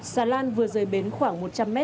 xà lan vừa rời bến khoảng một trăm linh m